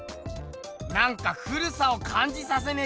なんか古さをかんじさせねえ